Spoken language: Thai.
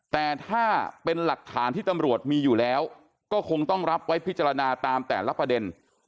แต่ถ้าเป็นหลักฐานที่ตำรวจมีอยู่แล้วก็คงต้องรับไว้พิจารณาตามแต่ละประเด็น